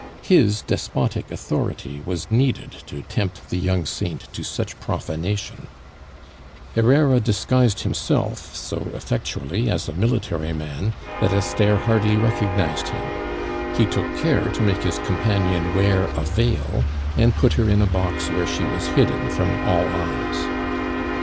His despotic authority was needed to tempt the young saint to such profanation. Herrera disguised himself so effectually as a military man, that Esther hardly recognized him; he took care to make his companion wear a veil, and put her in a box where she was hidden from all eyes.